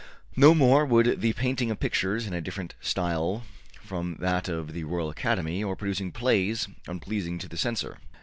No more would the painting of pictures in a different style from that of the Royal Academy, or producing plays unpleasing to the censor.